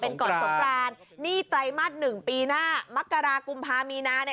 คุณผู้ชมครับคุณผู้ชมครับคุณผู้ชมครับ